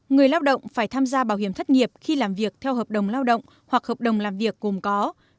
người lao động phải tham gia bảo hiểm thất nghiệp khi làm việc theo hợp đồng lao động hoặc hợp đồng làm việc gồm có